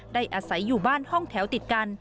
อาศัยอยู่บ้านห้องแถวติดกัน